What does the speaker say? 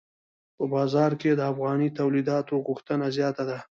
په بازار کې د افغاني تولیداتو غوښتنه زیاته ده.